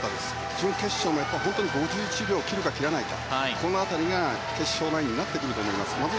準決勝も５１秒を切るか切らないかこの辺りが決勝ラインになってくると思います。